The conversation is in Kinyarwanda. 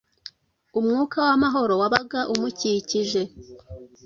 Umwuka w'amahoro wabaga umukikije